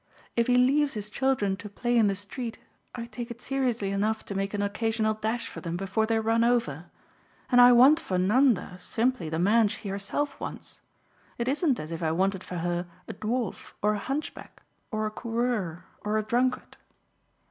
If he leaves his children to play in the street I take it seriously enough to make an occasional dash for them before they're run over. And I want for Nanda simply the man she herself wants it isn't as if I wanted for her a dwarf or a hunchback or a coureur or a drunkard.